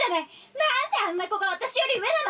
何であんな子が私より上なの！